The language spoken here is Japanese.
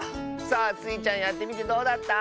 さあスイちゃんやってみてどうだった？